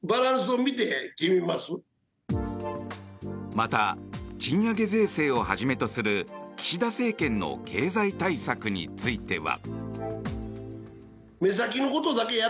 また賃上げ税制をはじめとする岸田政権の経済対策については。